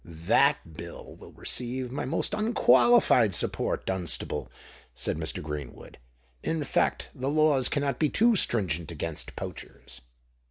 "That Bill will receive my most unqualified support, Dunstable," said Mr. Greenwood. "In fact, the laws cannot be too stringent against poachers."